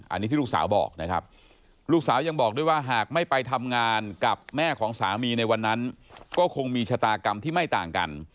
อันนี้ที่ลูกสาวบอกนะครับลูกสาวยังบอกด้วยว่าหากไม่ไปทำงานกับแม่ของสามีในวันนั้นก็คงมีชะตากรรมที่ไม่ต่างกัน